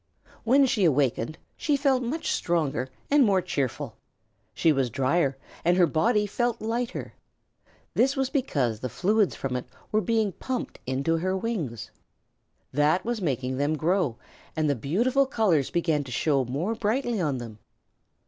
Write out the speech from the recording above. When she awakened she felt much stronger and more cheerful. She was drier and her body felt lighter. This was because the fluids from it were being pumped into her wings. That was making them grow, and the beautiful colors began to show more brightly on them.